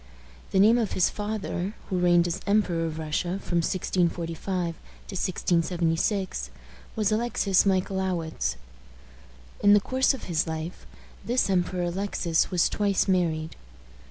The name of his father, who reigned as Emperor of Russia from 1645 to 1676, was Alexis Michaelowitz. In the course of his life, this Emperor Alexis was twice married.